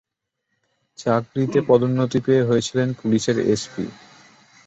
চাকরিতে পদোন্নতি পেয়ে হয়েছিলেন পুলিশের এসপি।